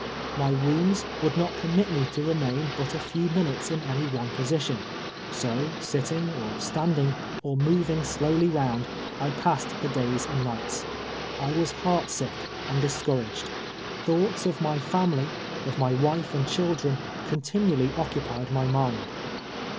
My woinids would not perinit mo to re main but a few minutes in any one position ; so, sit ting, or shmding, or moving slowly round, I passed tlie days and nights. I was heart sick and discour aged. Thoughts of my family, of my v, ife and chil dren, continually occupied my mind.